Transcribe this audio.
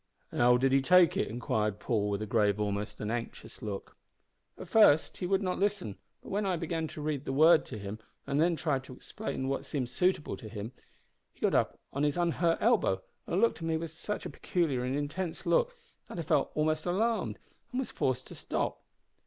"An' how did he take it?" inquired Paul, with a grave, almost an anxious look. "At first he would not listen, but when I began to read the Word to him, and then tried to explain what seemed suitable to him, he got up on his unhurt elbow and looked at me with such a peculiar and intense look that I felt almost alarmed, and was forced to stop.